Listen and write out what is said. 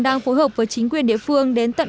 đang phối hợp với chính quyền địa phương đến tận